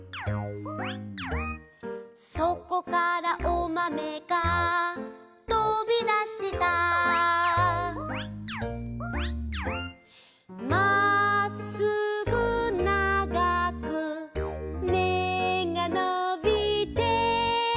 「そこからおまめが飛びだした」「まっすぐ長く芽がのびて」